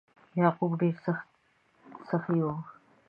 یعقوب ډیر سخي و.